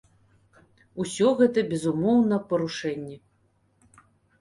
Усё гэта, безумоўна, парушэнні.